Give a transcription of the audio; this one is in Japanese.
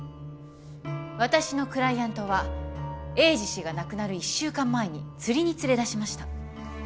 私のクライアントは栄治氏が亡くなる１週間前に釣りに連れ出しました。